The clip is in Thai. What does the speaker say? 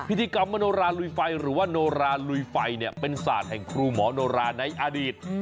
พิธีกรรมมโนราลุยไฟหรือว่าโนราลุยไฟเนี่ยเป็นศาสตร์แห่งครูหมอโนราในอดีต